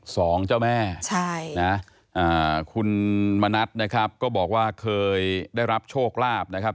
สองเจ้าแม่ใช่นะอ่าคุณมณัฐนะครับก็บอกว่าเคยได้รับโชคลาภนะครับ